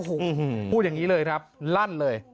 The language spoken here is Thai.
โอ้โหพูดอย่างนี้เลยครับลั่นเลย